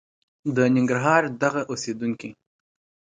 د ننګرهار دغه اوسېدونکي